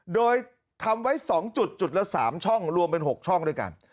โดยทำไว้๒จุดจุดละ๓ช่องรวมเป็น๖ช่องด้วยกัน